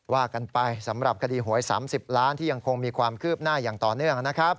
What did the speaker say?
ว่ากันไปสำหรับคดีหวย๓๐ล้านที่ยังคงมีความคืบหน้าอย่างต่อเนื่องนะครับ